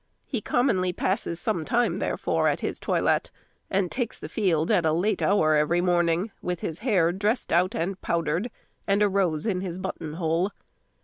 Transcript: He commonly passes some time, therefore, at his toilet, and takes the field at a late hour every morning, with his hair dressed out and powdered, and a rose in his button hole.